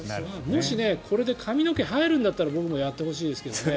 もしこれで髪の毛が生えるんだったら僕もやってほしいです。